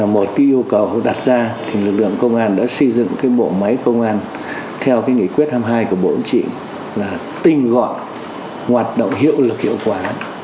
một cái yêu cầu đặt ra thì lực lượng công an đã xây dựng cái bộ máy công an theo nghị quyết hai mươi hai của bộ chính trị là tinh gọn hoạt động hiệu lực hiệu quả